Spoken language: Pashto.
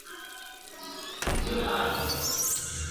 نه مو آرام نه شین اسمان ولیدی !.